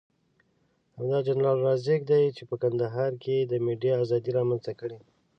همدا جنرال رازق دی چې په کندهار کې یې د ميډيا ازادي رامنځته کړې.